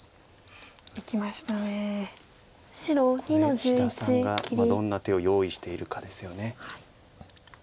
ここで志田さんがどんな手を用意しているかですよね。